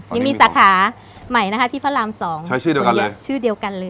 ยังมีสาขาใหม่นะคะที่พระรามสองใช้ชื่อเดียวกันเลยชื่อเดียวกันเลย